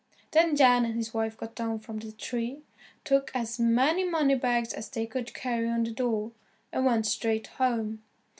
Then Jan and his wife got down from the tree, took as many money bags as they could carry on the door, and went straight home.